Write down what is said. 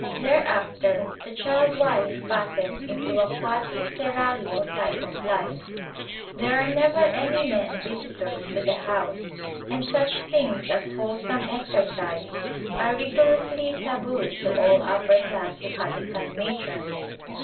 Thereafter the child wife passes into a quasi seraglio type of life. There are never any men visitors to the house, and such things as wholesome exercise are rigorously taboo to all upper class Yucatecan matrons.